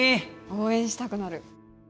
応援したくなる。